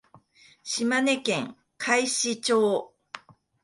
島根県海士町